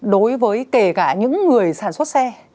đối với kể cả những người sản xuất xe